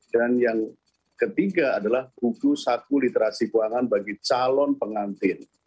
dan yang ketiga adalah buku saku literasi keuangan bagi dipercaya